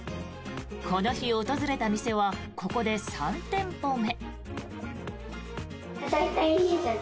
この日訪れた店はここで３店舗目。